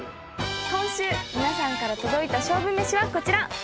今週皆さんから届いた勝負めしはこちら。